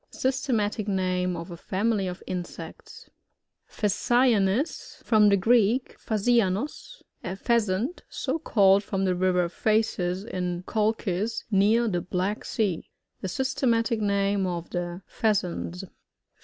Systematic name of a family of insects. Phasianus. — From the Greeks phasu anoSf a Pheasant, so called from the river Phasis, in Colchis, near the Black Sea. The systematic name of the Pheasants.